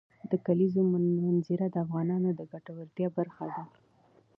د کلیزو منظره د افغانانو د ګټورتیا برخه ده.